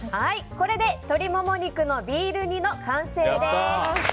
これで鶏モモ肉のビール煮の完成です。